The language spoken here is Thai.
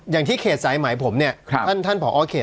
อย่างที่เขตสายหมายผมเนี่ยท่านผอเขต